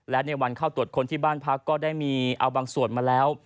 และในวันเข้าตรวจคนที่บ้านพักก็ได้มีเอาบางส่วนมาแล้ว